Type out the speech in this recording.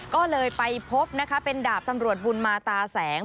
ก็เลยไปพบนะคะเป็นดาบตำรวจบุญมาตาแสง